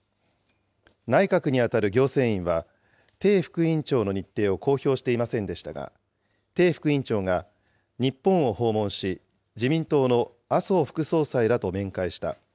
内閣に当たる行政院は、鄭副院長の日程を公表していませんでしたが、鄭副院長が、日本を訪問し、自民党の麻生副総裁らと面会した。